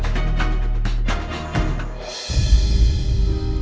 kerja gini langsung saja yang boleh sang alimentasi semuanya